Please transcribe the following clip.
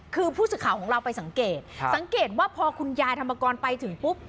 คือผู้สื่อข่าวของเราไปสังเกตสังเกตว่าพอคุณยายธรรมกรไปถึงปุ๊บ